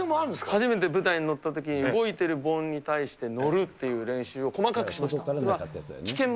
初めて舞台に乗ったとき、動いてる盆に対して乗るっていう練習を細かくしました。